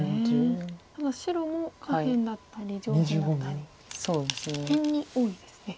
ただ白も下辺だったり上辺だったり辺に多いですね。